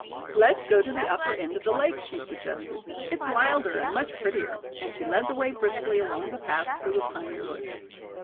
"Let's go to the upper end of the lake," she suggested. "It's wilder and much prettier," and she led the way briskly along the path through the pine woods.